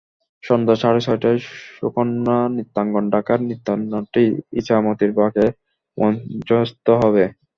সন্ধ্যা সাড়ে ছয়টায় সুকন্যা নৃত্যাঙ্গন, ঢাকা-এর নৃত্যনাট্য ইছামতীর বাঁকে মঞ্চস্থ হবে।